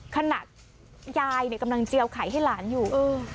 ขนาดยายเนี่ยกำลังเจียวไข่ให้หลานอยู่